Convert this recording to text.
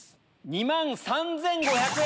２万３５００円。